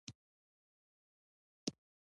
ایا زه باید مشګڼې وخورم؟